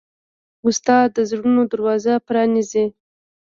استاد د زړونو دروازه پرانیزي.